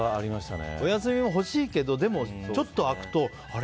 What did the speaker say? お休みも欲しいけどちょっと空くとあれ？